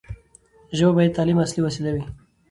ژبه باید د تعلیم اصلي وسیله وي.